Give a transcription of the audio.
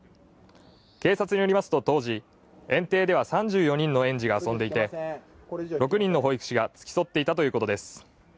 警察によりますと、当時、園庭では３４人の園児が遊んでいて６人の保育士が付き添っていたということです。